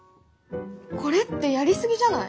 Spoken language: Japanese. これってやり過ぎじゃない？